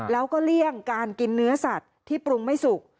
แล้วก็เลี่ยงการกินเนื้อสัตว์ที่ปรุงไม่สุก